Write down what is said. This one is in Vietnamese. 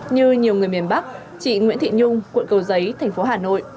như nhiều người miền bắc chị nguyễn thị nhung quận cầu giấy thành phố hà nội